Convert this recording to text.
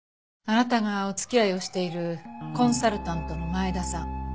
あなたがお付き合いをしているコンサルタントの前田さん。